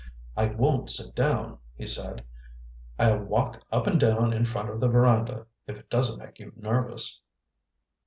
"I won't sit down," he said. "I'll walk up and down in front of the veranda if it doesn't make you nervous."